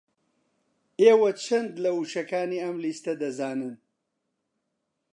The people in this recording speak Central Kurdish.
ئێوە چەند لە وشەکانی ئەم لیستە دەزانن؟